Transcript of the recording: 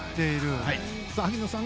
萩野さん